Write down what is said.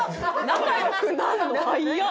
仲良くなるの早っ！